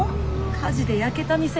火事で焼けた店